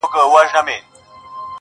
کلي نوې څېره خپلوي ورو